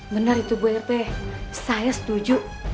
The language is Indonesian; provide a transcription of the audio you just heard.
benar itu bu rp saya setuju